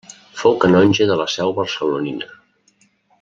Fou canonge de la seu barcelonina.